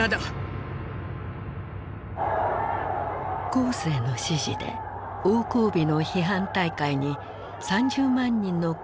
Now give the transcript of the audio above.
江青の指示で王光美の批判大会に３０万人の紅衛兵が参加した。